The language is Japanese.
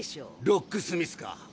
ロックスミスか。